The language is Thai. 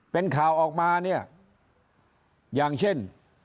เป็นข่าวออกมาเนี่ยอย่างเช่น